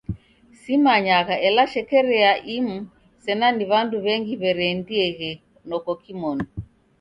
Simanyagha, ela shekeria imu sena ni w'andu w'engi w'ereendieghe noko kimonu.